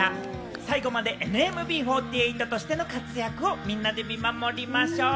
最後までＮＭＢ４８としての活躍をみんなで見守りましょう。